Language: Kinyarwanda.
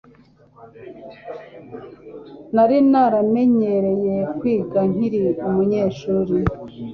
Nari naramenyereye kwiga nkiri umunyeshuri.